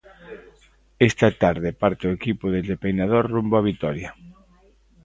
Esta tarde parte o equipo desde Peinador rumbo á Vitoria.